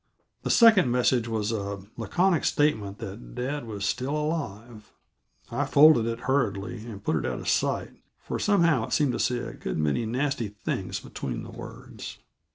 The second message was a laconic statement that dad was still alive; I folded it hurriedly and put it out of sight, for somehow it seemed to say a good many nasty things between the words.